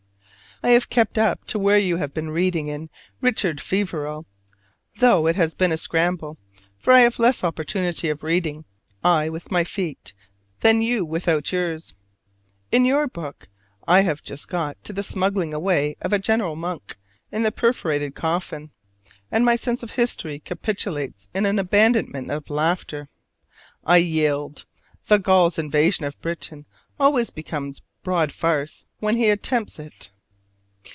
I have kept up to where you have been reading in "Richard Feverel," though it has been a scramble: for I have less opportunity of reading, I with my feet, than you without yours. In your book I have just got to the smuggling away of General Monk in the perforated coffin, and my sense of history capitulates in an abandonment of laughter. I yield! The Gaul's invasion of Britain always becomes broad farce when he attempts it.